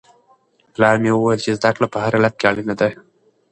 پلار مې وویل چې زده کړه په هر حالت کې اړینه ده.